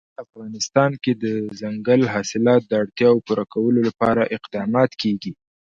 په افغانستان کې د دځنګل حاصلات د اړتیاوو پوره کولو لپاره اقدامات کېږي.